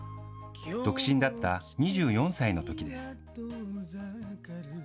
独身だった２４歳のときです。